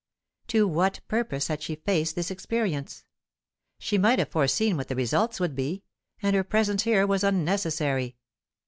To what purpose had she faced this experience? She might have foreseen what the result would be, and her presence here was unnecessary.